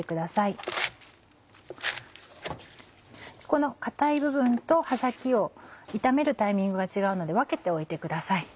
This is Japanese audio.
この硬い部分と葉先を炒めるタイミングが違うので分けておいてください。